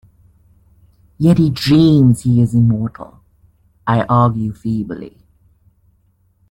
Yet he dreams he is immortal, I argue feebly.